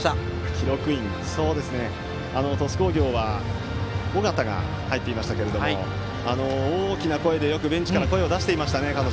記録員に鳥栖工業は緒方が入っていましたが大きな声でベンチから声を出していましたね。